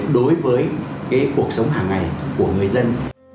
đối với cuộc sống hàng ngày của người dân